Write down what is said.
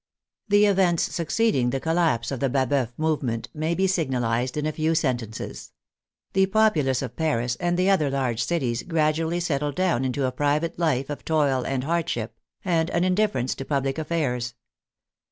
The events succeeding the collapse of the Baboeuf movement may be signalized in a few sentences. The populace of Paris and the other large cities gradually settled down into a private life of toil and hardship, and an indifference to public affairs.